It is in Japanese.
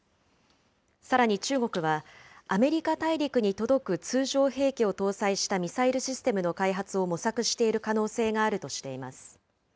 さらに中国は、アメリカ大陸に届く通常兵器を搭載したミサイルシステムの開発を模索している可能性があるとしています。